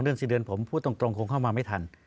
เดือน๔เดือนผมพูดตรงคงเข้ามาไม่ทัน